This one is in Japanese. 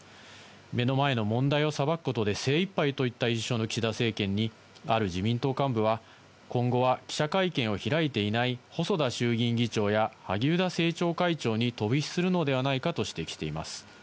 目の前の問題をさばくことで精いっぱいといった印象の岸田政権に、ある自民党幹部は、今後は記者会見を開いていない細田衆議院議長や萩生田政調会長に飛び火するのではないかと指摘しています。